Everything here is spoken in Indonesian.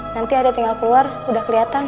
nanti ada tinggal keluar udah kelihatan